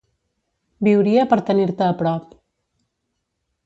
Viuria per tenir-te a prop.